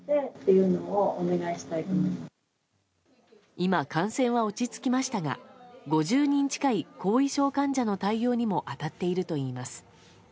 今、感染は落ち着きましたが５０人近い後遺症患者に対応にも当たっているといいます。